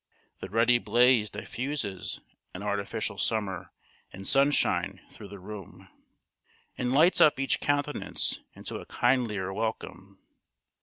The ruddy blaze diffuses an artificial summer and sunshine through the room, and lights up each countenance into a kindlier welcome.